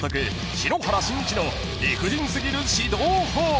篠原信一の理不尽すぎる指導法］